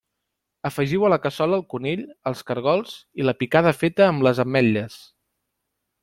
Afegiu a la cassola el conill, els caragols i la picada feta amb les ametlles.